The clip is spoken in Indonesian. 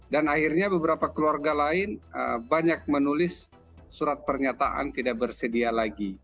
dan akhirnya beberapa keluarga lain banyak menulis surat pernyataan tidak bersedia lagi